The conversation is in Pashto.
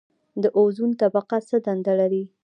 د اوزون طبقه څه دنده لري؟